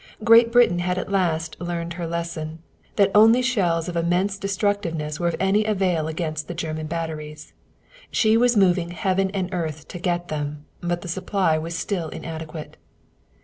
Great Britain had at last learned her lesson, that only shells of immense destructiveness were of any avail against the German batteries. She was moving heaven and earth to get them, but the supply was still inadequate.